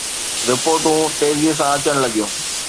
رپورٽون تيزيءَ سان اچڻ لڳيون.